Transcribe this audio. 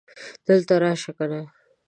دلته راشه کنه